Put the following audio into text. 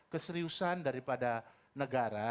keseriusan daripada negara